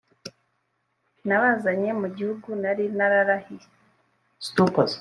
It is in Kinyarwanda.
nabazanye mu gihugu nari nararahiye